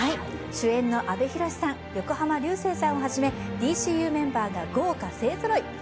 主演の阿部寛さん、横浜流星さんを初め、ＤＣＵメンバーが豪華勢ぞろい。